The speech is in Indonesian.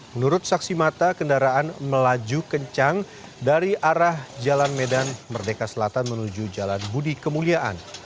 menurut saksi mata kendaraan melaju kencang dari arah jalan medan merdeka selatan menuju jalan budi kemuliaan